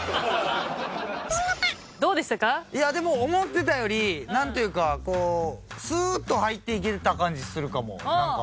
いやでも思ってたよりなんというかこうスッと入っていけた感じするかもなんか。